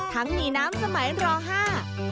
ทั้งมีน้ำสมัยหล่อห้า